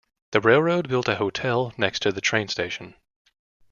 The railroad built a hotel next to the train station.